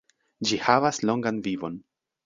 Ĝi havas longan vivon.